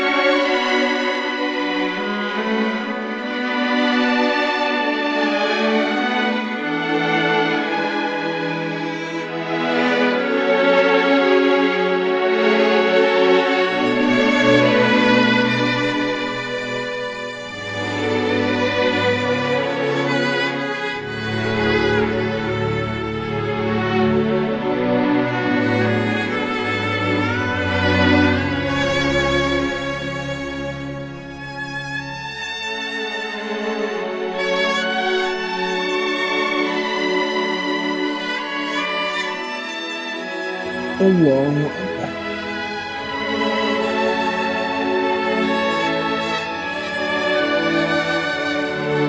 assalamualaikum warahmatullahi wabarakatuh